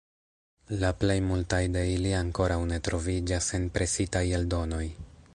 La plej multaj de ili ankoraŭ ne troviĝas en presitaj eldonoj.